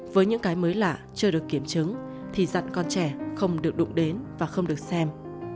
với những cái mới lạ chưa được kiểm chứng thì dặn con trẻ không được đụng đến và không được xem